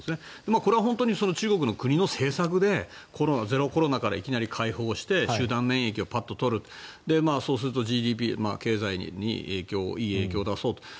これは本当に中国の国の政策でゼロコロナからいきなり解放して集団免疫をパッと取るそうするとＧＤＰ経済にいい影響を出そうと。